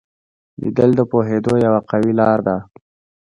لیدل د پوهېدو یوه قوي لار ده